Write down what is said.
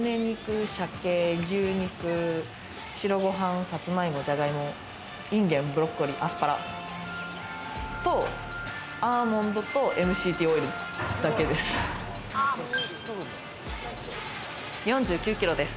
ムネ肉、鮭、牛肉、白ご飯、サツマイモ、じゃがいも、インゲン、ブロッコリー、アスパラと、アーモンドとＭＣＴオイルだけです。